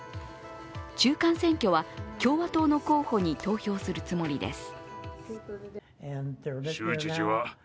中間選挙は共和党の候補に投票するつもりです。